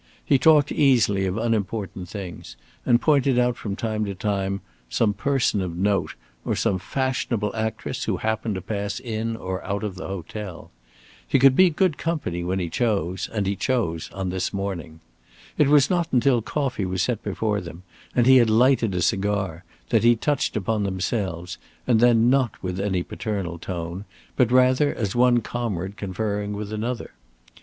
He talked easily of unimportant things, and pointed out from time to time some person of note or some fashionable actress who happened to pass in or out of the hotel. He could be good company when he chose, and he chose on this morning. It was not until coffee was set before them, and he had lighted a cigar, that he touched upon themselves, and then not with any paternal tone, but rather as one comrade conferring with another.